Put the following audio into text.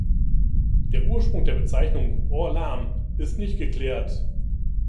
Der Ursprung der Bezeichnung Orlam ist nicht geklärt.